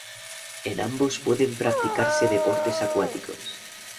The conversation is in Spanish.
En ambos pueden practicarse deportes acuáticos.